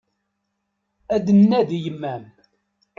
Ad d-nnadi yemma-m.